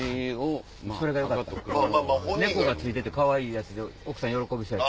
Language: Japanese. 猫が付いててかわいいやつで奥さん喜びそう。